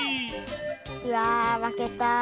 うわまけた。